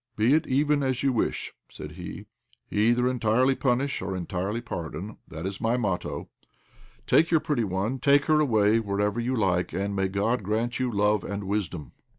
"Be it even as you wish," said he. "Either entirely punish or entirely pardon; that is my motto. Take your pretty one, take her away wherever you like, and may God grant you love and wisdom."